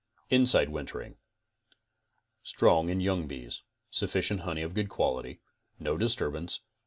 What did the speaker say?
Inside Wintering: ; Strong in young bees. Sufficient honey of good quality. No disturbance.